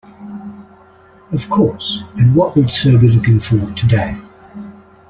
Of course, and what would sir be looking for today?